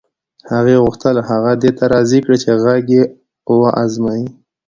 هغې غوښتل هغه دې ته راضي کړي چې غږ یې و ازمایي